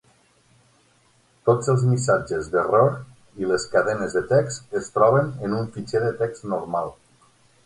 Tots els missatges d'error i les cadenes de text es troben en un fitxer de text normal.